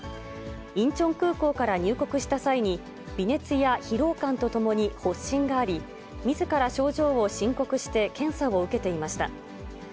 インチョン空港から入国した際に、微熱や疲労感とともに発疹があり、みずから症状を申告して検査を受けていました。